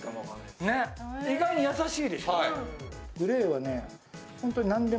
意外に優しいでしょう？